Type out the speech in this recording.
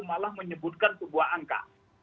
malah menyebutkan sebuah angka